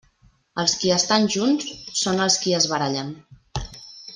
Els qui estan junts són els qui es barallen.